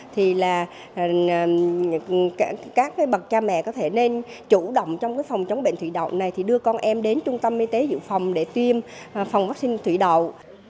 thì là các bậc cha mẹ có thể nên chủ động trong phòng chống bệnh thủy đậu này thì đưa con em đến trung tâm y tế dự phòng để tiêm phòng vaccine thủy đậu